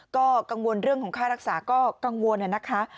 ก็กังวลเรื่องของค่ารักษาก็กังวลนะคะ